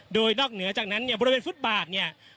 โดยนอกเหนือจากนั้นเนี่ยบริเวณฟุตบาทเนี่ย